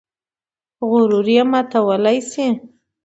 غرور یې ماتولی شي.